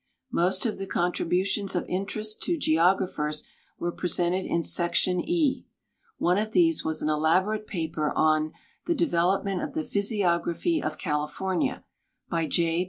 Most of the contributions of interest to geographers were presented in Section E. One of these was an elaborate paper on the " Development of the Physiography of California," by J.